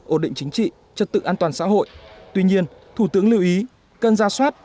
ổn định chính trị chất tự an toàn xã hội tuy nhiên thủ tướng lưu ý cân ra soát